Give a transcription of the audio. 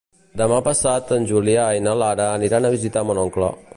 Demà passat en Julià i na Lara aniran a visitar mon oncle.